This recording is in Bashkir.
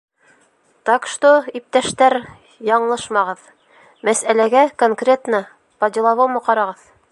Так что, иптәштәр, яңылышмағыҙ: мәсьәләгә конкретно, по- деловому ҡарағыҙ!